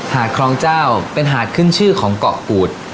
ครองเจ้าเป็นหาดขึ้นชื่อของเกาะกูด